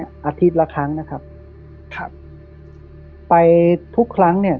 อาทิตย์ละครั้งนะครับครับไปทุกครั้งเนี่ย